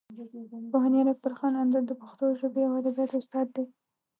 پوهنیار اکبر خان اندړ د پښتو ژبې او ادبیاتو استاد دی.